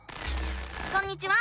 こんにちは！